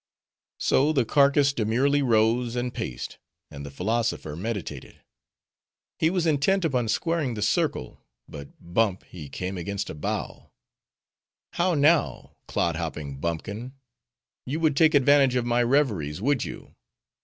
So the carcass demurely rose and paced, and the philosopher meditated. He was intent upon squaring the circle; but bump he came against a bough. 'How now, clodhopping bumpkin! you would take advantage of my reveries, would you?